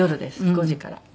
５時から。